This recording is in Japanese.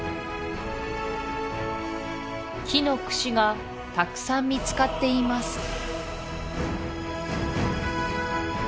木のくしがたくさん見つかっています